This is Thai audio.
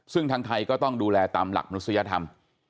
ซึ่งทางไทยก็ต้องดูแลตามหลักมนุษยธรรม